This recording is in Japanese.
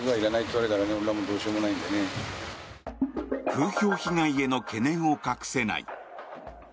風評被害への懸念を隠せない。